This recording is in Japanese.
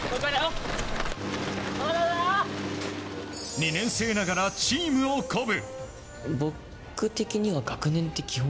２年生ながらチームを鼓舞。